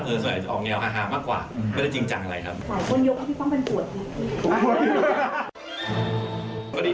สุดยอดจะออกแงวฮามากกว่าไม่ได้จริงจังอะไรครับ